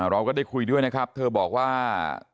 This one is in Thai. เราก็ได้คุยด้วยนะครับเธอบอกว่า